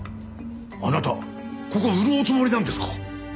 あなたここ売るおつもりなんですか？